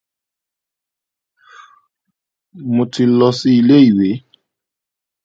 I respect your bravery.